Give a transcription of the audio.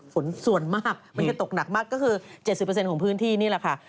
ฝนส่วนมากมันจะตกหนักมากก็คือ๗๐ของพื้นที่นี่แหละค่ะ